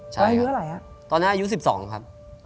ใช่ครับตอนนั้นอายุ๑๒ครับ